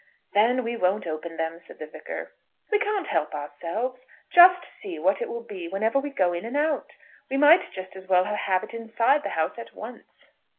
"Then we won't open them," said the Vicar. "We can't help ourselves. Just see what it will be whenever we go in and out. We might just as well have it inside the house at once."